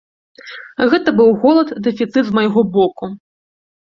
Гэта быў голад, дэфіцыт з майго боку.